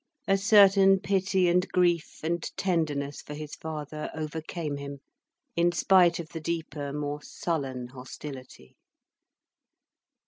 A certain pity and grief and tenderness for his father overcame him, in spite of the deeper, more sullen hostility.